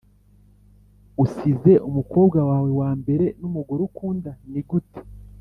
usize umukobwa wawe wambere numugore ukunda, nigute?